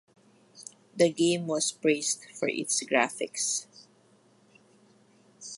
The game was praised for its graphics.